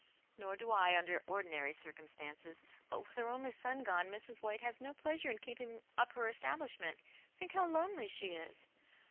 "Nor do I, under ordinary circumstances. But with her only son gone, Mrs. White has no pleasure in keeping up her establishment. Think how lonely she is